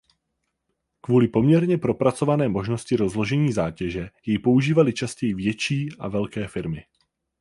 Kvůli poměrně propracované možnosti rozložení zátěže jej používají častěji větší a velké firmy.